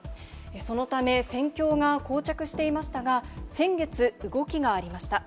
そのため、戦況がこう着していましたが、先月、動きがありました。